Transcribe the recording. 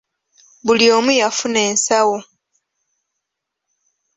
Buli omu yafuna ensawo!